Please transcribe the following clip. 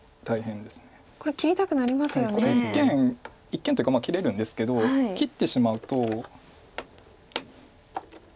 一見というか切れるんですけど切ってしまうと。